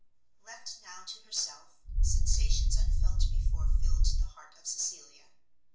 Left now to herself, sensations unfelt before filled the heart of Cecilia.